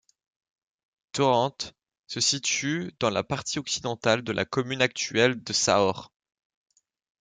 Thorrent se situe dans la partie occidentale de la commune actuelle de Sahorre.